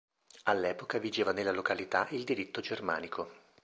All'epoca vigeva nella località il diritto germanico.